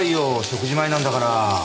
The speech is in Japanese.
食事前なんだから。